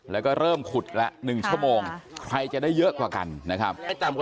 แล้วก็เริ่มขุดละ๑ชั่วโมงใครจะได้เยอะกว่ากันนะครับ